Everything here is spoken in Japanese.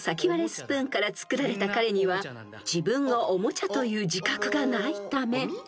スプーンからつくられた彼には自分がおもちゃという自覚がないため］